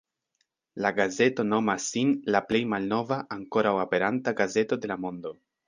La gazeto nomas sin la plej malnova ankoraŭ aperanta gazeto de la mondo.